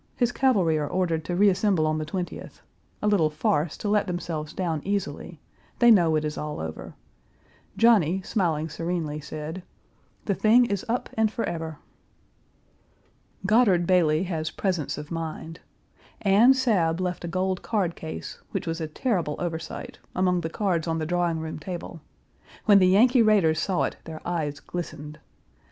His cavalry are ordered Page 389 to reassemble on the 20th a little farce to let themselves down easily; they know it is all over. Johnny, smiling serenely, said, "The thing is up and forever." Godard Bailey has presence of mind. Anne Sabb left a gold card case, which was a terrible oversight, among the cards on the drawing room table. When the Yankee raiders saw it their eyes glistened.